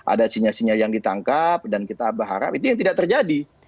ada sinyal sinyal yang ditangkap dan kita berharap itu yang tidak terjadi